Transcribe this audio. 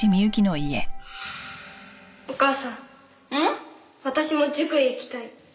お母さん私も塾へ行きたい。